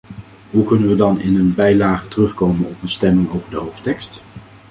Hoe kunnen we dan in een bijlage terugkomen op een stemming over de hoofdtekst?